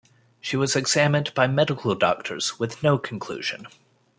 She was examined by medical doctors, with no conclusion.